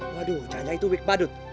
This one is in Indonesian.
waduh janggau itu wik badut